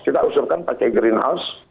kita usurkan pakai greenhouse